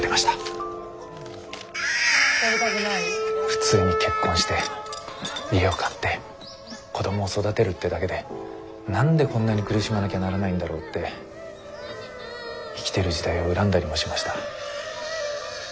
普通に結婚して家を買って子供を育てるってだけで何でこんなに苦しまなきゃならないんだろうって生きてる時代を恨んだりもしました。